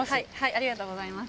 ありがとうございます。